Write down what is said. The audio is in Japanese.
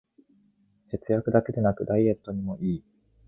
節約だけでなくダイエットにもいい